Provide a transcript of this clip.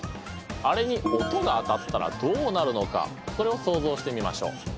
あれに音が当たったらどうなるのかそれを想像してみましょう。